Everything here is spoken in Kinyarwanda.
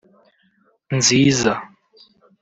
nziza